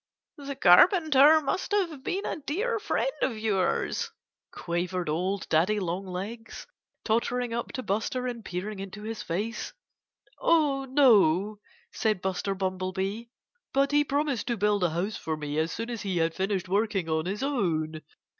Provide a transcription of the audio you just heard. "The Carpenter must have been a dear friend of yours," quavered old Daddy Longlegs, tottering up to Buster and peering into his face. "Oh, no!" said Buster Bumblebee. "But he promised to build a house for me as soon as he had finished working on his own.